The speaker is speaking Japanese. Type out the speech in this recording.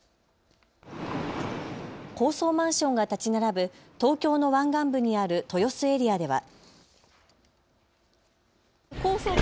高層マンションが建ち並ぶ東京の湾岸部にある豊洲エリアでは。